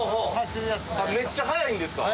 めっちゃ速いんですか？